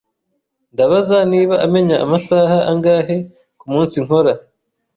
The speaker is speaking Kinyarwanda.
Ndabaza niba amenya amasaha angahe kumunsi nkora.